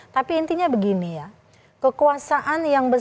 tapi intinya begini ya